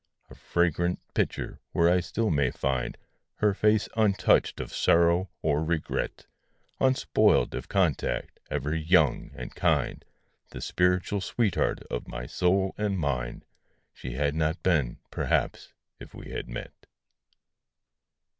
A fragrant picture, where I still may find Her face untouched of sorrow or regret, Unspoiled of contact, ever young and kind, The spiritual sweetheart of my soul and mind, She had not been, perhaps, if we had met.